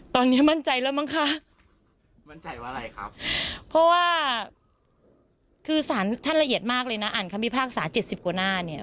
ตอนนี้มั่นใจแล้วมั้งคะเพราะว่าคือสารท่านละเอียดมากเลยนะอ่านคำพิพากษา๗๐กว่าหน้าเนี่ย